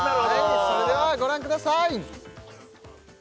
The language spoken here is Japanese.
それではご覧ください